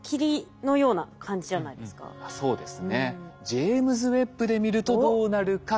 ジェイムズ・ウェッブで見るとどうなるか。